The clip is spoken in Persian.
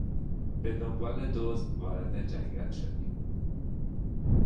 به دنبال دزد وارد جنگل شدیم.